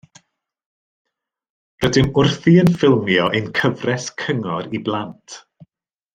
Rydym wrthi yn ffilmio ein cyfres cyngor i blant